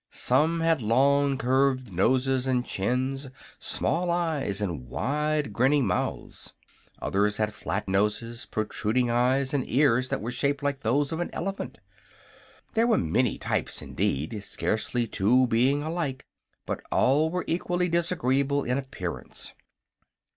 Some had long, curved noses and chins, small eyes and wide, grinning mouths. Others had flat noses, protruding eyes, and ears that were shaped like those of an elephant. There were many types, indeed, scarcely two being alike; but all were equally disagreeable in appearance.